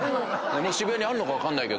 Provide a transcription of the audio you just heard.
渋谷にあんのか分かんないけど。